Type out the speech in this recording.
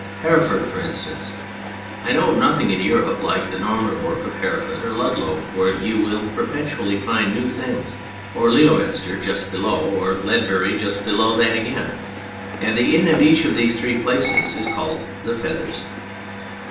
Hereford, for instance. I know of nothing in Europe like the Norman work of Hereford or Ludlow, where you will perpetually find new things, or Leominster just below, or Ledbury just below that again ; and the inn at each of these three places is called The Feathers.